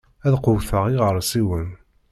Ad qewwteɣ iɣeṛsiwen.